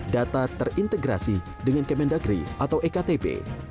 data terintegrasi dengan kemendagri atau ektp